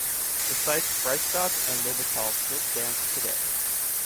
The sites Freistatt and Lobetal still stand today.